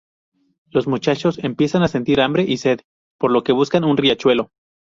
Los muchachos empiezan a sentir hambre y sed, por lo que buscan un riachuelo.